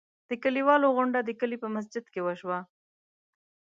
د کلیوالو غونډه د کلي په مسجد کې وشوه.